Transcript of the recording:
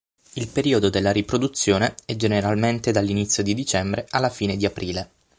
Il periodo della riproduzione è generalmente dall'inizio di dicembre alla fine di aprile.